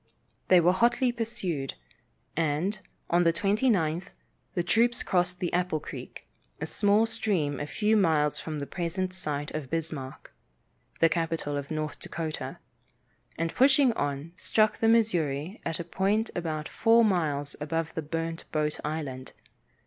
They were hotly pursued, and, on the 29th, the troops crossed Apple creek, a small stream a few miles from the present site of Bismarck, the capital of North Dakota, and pushing on, struck the Missouri at a point about four miles above Burnt Boat Island.